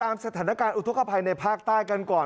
สถานการณ์อุทธกภัยในภาคใต้กันก่อน